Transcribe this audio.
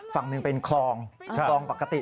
ฝั่งหนึ่งเป็นคลองคลองปกติ